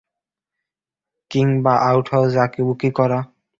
কিংবা আউটহাউজে আঁকিবুঁকি করা?